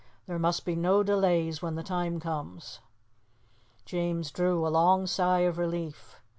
There must be no delays when the time comes." James drew a long sigh of relief.